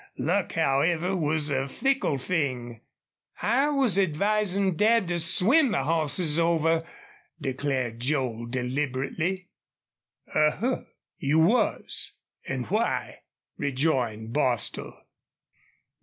Luck, however, was a fickle thing. "I was advisin' Dad to swim the hosses over," declared Joel, deliberately. "A huh! You was? ... An' why?" rejoined Bostil.